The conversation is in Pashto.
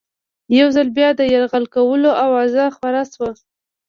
یو ځل بیا د یرغل کولو آوازه خپره شوه.